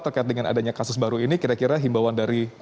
terkait dengan adanya kasus baru ini kira kira himbauan dari